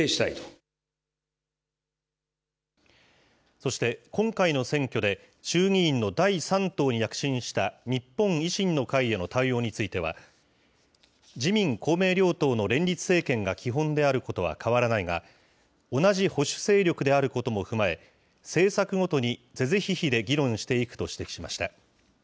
そして今回の選挙で、衆議院の第３党に躍進した日本維新の会への対応については、自民、公明両党の連立政権が基本であることは変わらないが、同じ保守勢力であることも踏まえ、政策ごとに是々非々で議論していくと指摘しました。